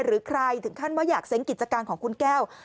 หรือใครถึงขั้นว่าอยากเซ้งกิจการของคุณแก้ว